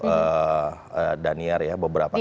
di daerah daniel ya beberapa kali